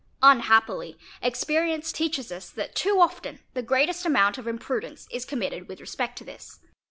Unhappily experience teaches us that too often the greatest amount of imprudence is committed with respect to this.